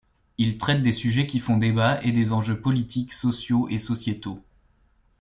Il traite des sujets qui font débat et des enjeux politiques, sociaux et sociétaux.